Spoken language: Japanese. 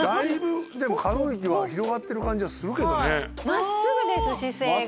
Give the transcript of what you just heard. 真っすぐです姿勢が。